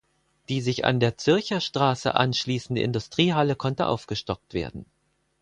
Die sich an der Zürcherstrasse anschliessende Industriehalle konnte aufgestockt werden.